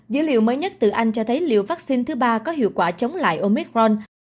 dữ liệu mới nhất từ anh cho thấy liều vaccine thứ ba có hiệu quả chống lại omicron